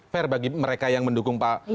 fair bagi mereka yang mendukung pak